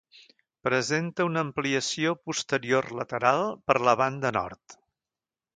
Presenta una ampliació posterior lateral per la banda nord.